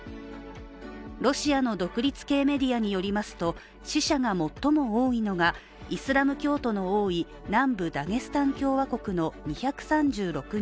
ロシアの独立系メディアによりますと死者が最も多いのがイスラム教徒の多い南部ダゲスタン共和国の２３６人。